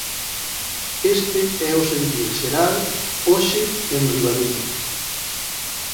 Este é o sentir xeral hoxe en Ribadumia.